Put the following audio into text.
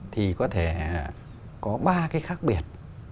thì có thể có ba cái khác biệt